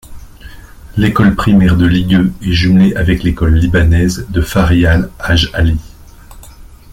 L'école primaire de Ligueux est jumelée avec l'école libanaise de Farihaal-Hajj-Ali.